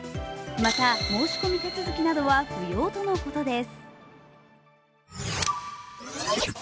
また、申し込み手続きなどは不要とのことです。